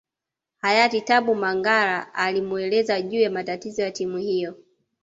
Hayati Tabu Mangara alimueleza juu ya matatizo ya timu hiyo